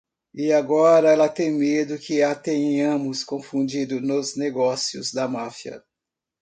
E agora ela tem medo que a tenhamos confundido nos negócios da máfia.